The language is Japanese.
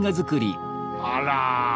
あら！